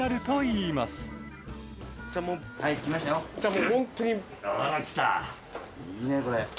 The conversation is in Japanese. いいね、これ。